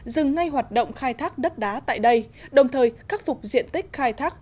dừng ngay hoạt động khai thác đất đá tại đây đồng thời khắc phục diện tích khai thác